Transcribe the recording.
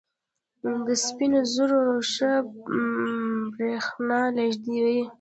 د سپینو زرو ښه برېښنا لېږدوي.